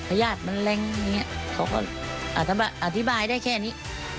ญาติมันแรงอย่างนี้เขาก็อาจจะอธิบายได้แค่นี้